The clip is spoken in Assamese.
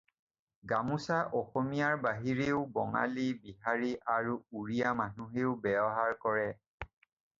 গামোচা অসমীয়াৰ বাহিৰেও বঙালী, বিহাৰী আৰু উৰিয়া মানুহেও ব্যৱহাৰ কৰে।